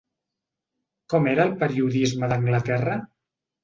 Com era el periodisme d'Anglaterra?